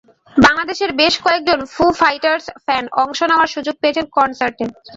বাংলাদেশের বেশ কয়েকজন ফু ফাইটারস ফ্যান অংশ নেওয়ার সুযোগ পেয়েছেন কনসার্টে।